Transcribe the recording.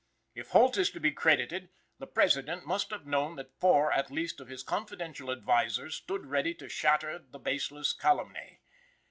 If Holt is to be credited, the President must have known that four at least of his confidential advisers stood ready to shatter the baseless calumny.